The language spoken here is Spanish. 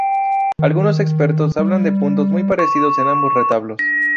Algunos expertos hablan de puntos muy parecidos en ambos retablos.